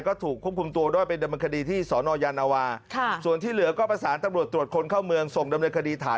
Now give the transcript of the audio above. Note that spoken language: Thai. เขาบอกว่ารถหรูหลายนี่ไอ